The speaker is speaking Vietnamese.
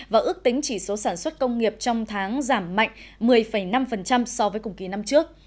và ước tính chỉ số sản xuất công nghiệp trong tháng giảm mạnh một mươi năm so với cùng kỳ năm trước